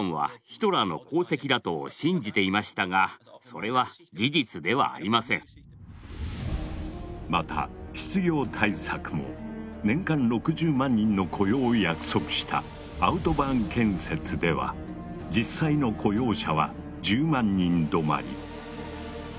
ところがこうした魅力的な政策にはまた失業対策も年間６０万人の雇用を約束したアウトバーン建設では実際の雇用者は１０万人どまり。